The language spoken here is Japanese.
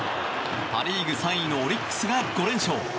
パ・リーグ３位のオリックスが５連勝。